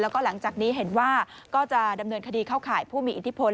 แล้วก็หลังจากนี้เห็นว่าก็จะดำเนินคดีเข้าข่ายผู้มีอิทธิพล